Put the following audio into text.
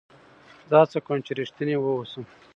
زه هڅه کوم، چي رښتینی واوسم.